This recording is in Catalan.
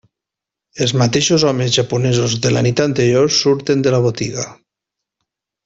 Els mateixos homes japonesos de la nit anterior surten de la botiga.